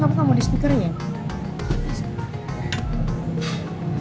kamu gak mau di speaker nya ya